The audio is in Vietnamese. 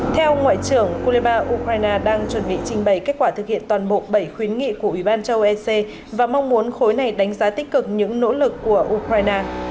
theo ngoại trưởng cuba ukraine đang chuẩn bị trình bày kết quả thực hiện toàn bộ bảy khuyến nghị của ủy ban châu âu ec và mong muốn khối này đánh giá tích cực những nỗ lực của ukraine